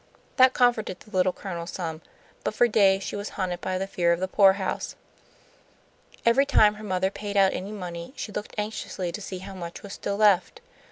That comforted the Little Colonel some, but for days she was haunted by the fear of the poorhouse. Every time her mother paid out any money she looked anxiously to see how much was still left.